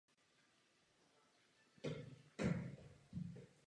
Opět začal koncertovat a stal se dobře známým a velmi populárním.